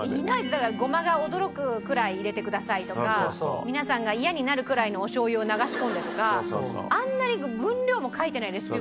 だから「ごまが驚くくらい入れてください」とか「皆さんがイヤになるくらいのおしょうゆを流し込んで」とかあんなに。